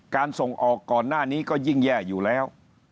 ส่งออกก่อนหน้านี้ก็ยิ่งแย่อยู่แล้ว